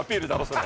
それ。